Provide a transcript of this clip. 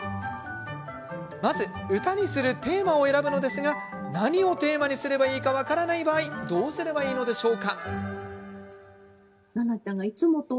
まず、歌にするテーマを選ぶのですが何をテーマにすればいいか分からない場合はどうすれば、いいのでしょう？